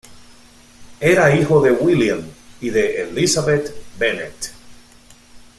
Era hijo de William y de Elizabeth Bennett.